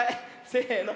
せの。